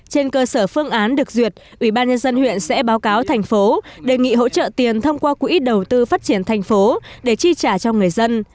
trên cơ sở phương án được duyệt ubnd huyện sẽ báo cáo thành phố đề nghị hỗ trợ tiền thông qua quỹ đầu tư phát triển thành phố để tri trả cho người dân